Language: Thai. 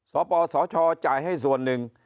สปสชจ่ายให้ส่วนหนึ่ง